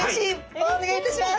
お願いいたします。